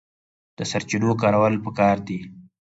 د سرچینو کارول پکار دي